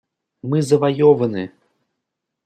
Мы завоеваны!